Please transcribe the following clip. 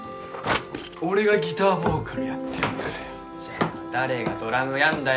俺がギターボーカルやってやっからよじゃあ誰がドラムやんだよ